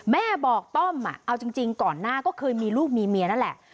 แม่บอกต้อมเอาจริงก่อนหน้าก็เคยมีลูกมีเมียนั่นแหละ